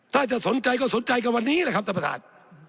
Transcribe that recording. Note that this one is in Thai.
ถ้าจะสนใจก็สนใจกับวันนี้แหละครับท่านประธาน